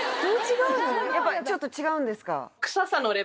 やっぱりちょっと違うんですか？